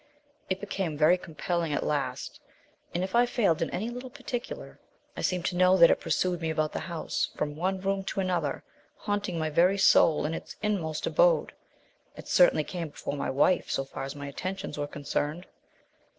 It became very compelling at last, and, if I failed in any little particular, I seemed to know that it pursued me about the house, from one room to another, haunting my very soul in its inmost abode. It certainly came before my wife so far as my attentions were concerned.